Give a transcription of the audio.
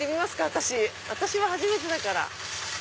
私は初めてだから。